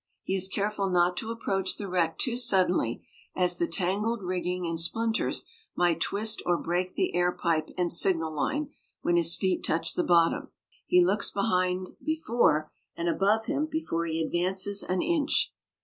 He is careful not to approach the wreck too suddenly, as the tangled rigging and splinters might twist or break the air pipe and signal line; when his feet touch the bottom, he looks behind, before, and above him before he advances an inch.